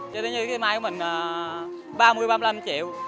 cho đến như cây may của mình ba mươi ba mươi năm triệu